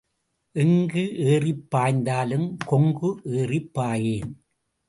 எங்கு ஏறிப் பாய்ந்தாலும் கொங்கு ஏறிப் பாயேன்.